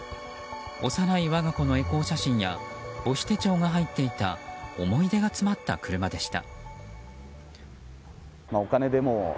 幼い我が子のエコー写真や母子手帳が入っていた思い出が詰まった車でした。